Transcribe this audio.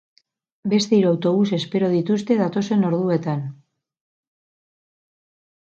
Beste hiru autobus espero dituzte datozen orduetan.